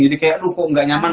jadi kayak aduh kok gak nyaman